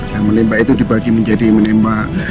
yang menembak itu dibagi menjadi menembak